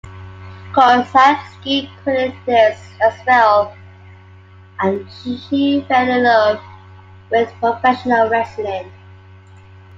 Kocianski credits this as when she fell in love with professional wrestling.